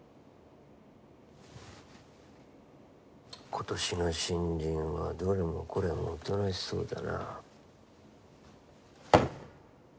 今年の新人はどれもこれもおとなしそうだな。